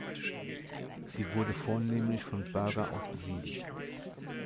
Sie wurde vornehmlich von Börger aus besiedelt.